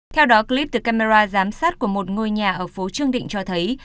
theo đó clip từ camera giám sát của một ngôi nhà ở phố trương định cho thấy